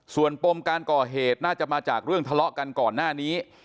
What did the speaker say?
ส่วนปมการก่อเหตุน่าจะมาจากเรื่องทะเลาะกันก่อนหน้านี้